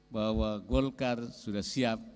bahwa golkar sudah siap